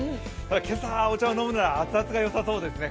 今朝はお茶を飲むなら熱々がよさそうですね。